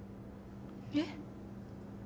えっ？